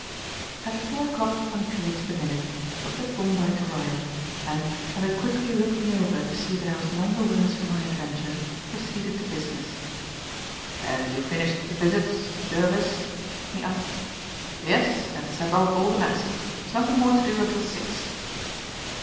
At four o'clock punctually to the minute, Dr. Thorndyke arrived, and, having quickly looked me over to see that I was none the worse for my adventure, proceeded to business. "Have you finished the visits, Jervis?" he asked. "Yes; and sent off all the medicine. There's nothing more to do until six."